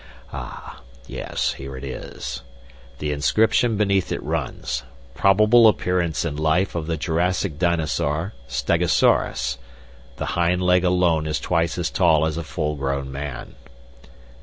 Ah, yes, here it is! The inscription beneath it runs: 'Probable appearance in life of the Jurassic Dinosaur Stegosaurus. The hind leg alone is twice as tall as a full grown man.'